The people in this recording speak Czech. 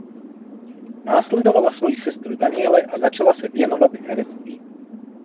Následovala svojí sestru Danielle a začala se věnovat herectví.